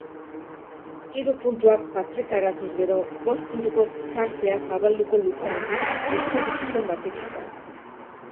Hiru puntuak patrikaratuz gero bost puntuko tartea zabalduko lukeen aurkari zuzen batekiko.